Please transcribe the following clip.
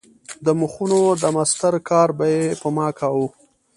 د مخونو د مسطر کار به یې په ما کاوه.